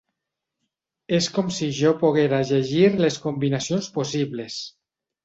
És com si jo poguera llegir les combinacions possibles.